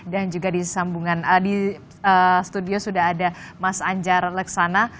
dan juga di sambungan di studio sudah ada mas anjar leksana